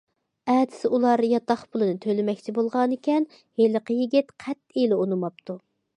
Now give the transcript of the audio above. ئەتىسى ئۇلار ياتاق پۇلىنى تۆلىمەكچى بولغانىكەن، ھېلىقى يىگىت قەتئىيلا ئۇنىماپتۇ.